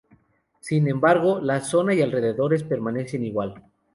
Sin embargo, la zona y alrededores, permanecen igual.